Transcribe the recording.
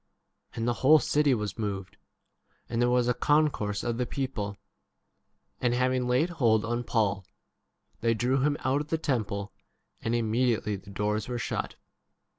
And the whole city was moved, and there was a concourse of the people ; and having laid hold on Paul they drew him out of the temple, and imme 31 diately the door3 were shut.